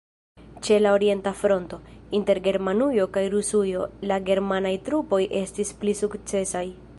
Ĉe la orienta fronto, inter Germanujo kaj Rusujo, la germanaj trupoj estis pli sukcesaj.